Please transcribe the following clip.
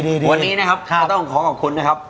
ดีวันนี้นะครับขอต้องขอบคุณครับ